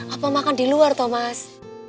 apa makan di luar thomas